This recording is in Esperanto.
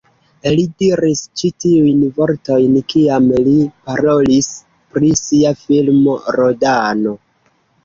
Li diris ĉi tiujn vortojn kiam li parolis pri sia filmo "Rodano".